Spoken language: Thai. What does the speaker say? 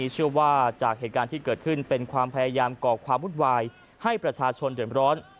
เชื่อว่าจากเหตุการณ์ที่เกิดขึ้นเป็นความพยายามก่อความวุ่นวายให้ประชาชนเดินร้อน